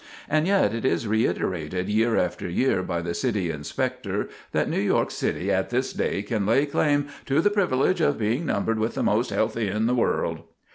And yet it is reiterated year after year by the City Inspector, that "New York City, at this day, can lay claim to the privilege of being numbered with the most healthy in the world."